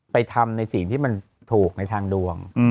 ทำในสิ่งที่มันถูกในทางดวง